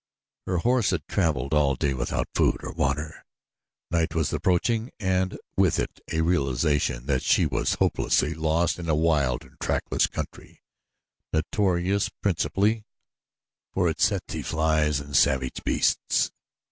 Her horse had traveled all day without food or water, night was approaching and with it a realization that she was hopelessly lost in a wild and trackless country notorious principally for its tsetse flies and savage beasts.